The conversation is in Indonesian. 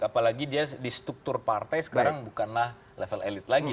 apalagi dia di struktur partai sekarang bukanlah level elit lagi